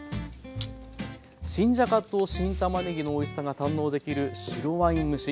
新じゃがと新たまねぎのおいしさが堪能できる白ワイン蒸し。